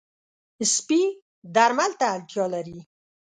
سپي درمل ته اړتیا لري.